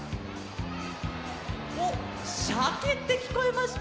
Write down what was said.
おっシャケってきこえました。